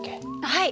はい。